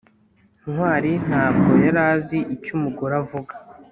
ntwali ntabwo yari azi icyo umugore avuga